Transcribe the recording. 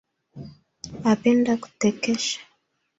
Apenda kutekesha